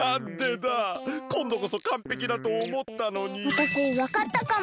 わたしわかったかも。